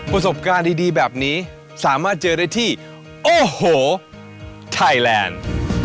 ประสบการณ์ดีแบบนี้สามารถเจอได้ที่โอ้โหไทยแลนด์